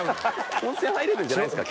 温泉入れるんじゃないんすか？